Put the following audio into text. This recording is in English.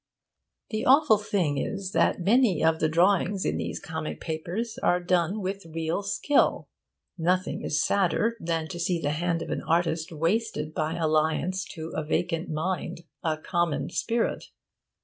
The awful thing is that many of the drawings in these comic papers are done with very real skill. Nothing is sadder than to see the hand of an artist wasted by alliance to a vacant mind, a common spirit.